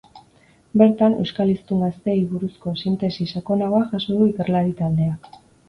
Bertan, euskal hiztun gazteei buruzko sintesi sakonagoa jaso du ikerlari taldeak.